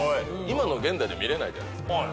現代で見れないじゃないですか。